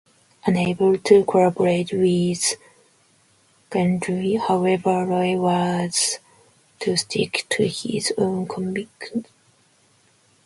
Unable to collaborate with Gandhi, however, Roy was to stick to his own conviction.